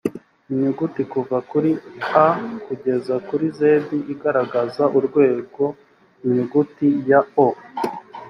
inyuguti kuva kuri a kugeza kuri z igaragaza urwego inyuguti ya o